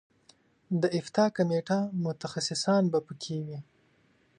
د افتا کمیټه متخصصان به په کې وي.